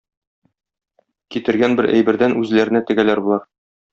Китергән бер әйбердән үзләренә тегәләр болар.